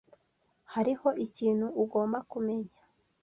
Hariho ikintu ugomba kumenya.